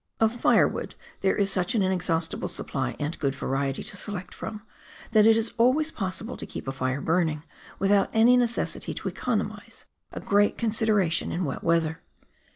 Of firewood there is such an inexhaustible supply and good variety to select from, that it is always possible to keep a fire burning, without any necessity to economise, a great considera tion in wet weather.